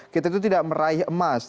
kita itu tidak meraih emas